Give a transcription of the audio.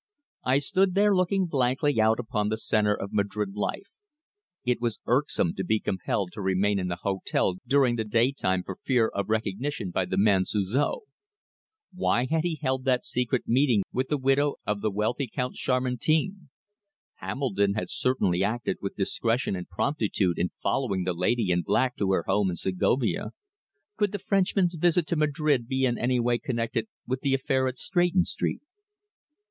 I stood there looking blankly out upon the centre of Madrid life. It was irksome to be compelled to remain in the hotel during the daytime for fear of recognition by the man Suzor. Why had he held that secret meeting with the widow of the wealthy Count Chamartin? Hambledon had certainly acted with discretion and promptitude in following the lady in black to her home in Segovia. Could the Frenchman's visit to Madrid be in any way connected with the affair at Stretton Street?